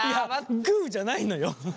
グーじゃないのよ。